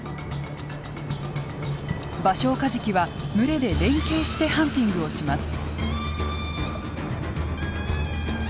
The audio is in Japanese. バショウカジキは群れで連携してハンティングをします。